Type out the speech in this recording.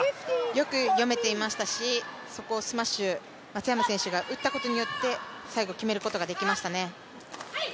よく読めていましたしそこをスマッシュ松山選手が打つことによって最後決めることができましたね。